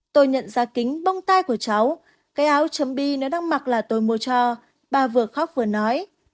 tôi nhận ra kính bông tai của cháu cây áo chấm bi nếu đang mặc là tôi mua cho bà vừa khóc vừa nói